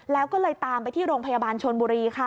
แล้วก็เลยตามไปที่โรงพยาบาลชนบุรีค่ะ